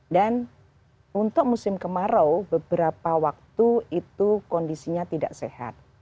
dan untuk musim kemarau beberapa waktu itu kondisinya tidak sehat